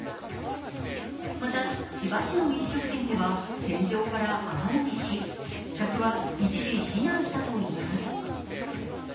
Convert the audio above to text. また千葉市の飲食店では天井から雨漏りし客は一時避難したといいます。